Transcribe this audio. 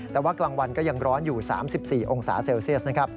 แต่ว่ากลางวันก็ยังร้อนอยู่๓๔องศาเซลเซียสนะครับ